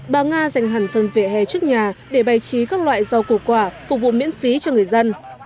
bà nga dành hẳn phần vệ hè trước nhà để bày trí các loại rau củ quả phục vụ miễn phí cho người dân